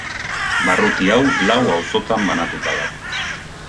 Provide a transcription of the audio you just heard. Barruti hau, lau auzotan banatua dago.